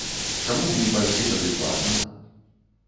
Чаму б не прайсці тады платна?